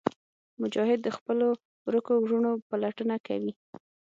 مجاهد د خپلو ورکو وروڼو پلټنه کوي.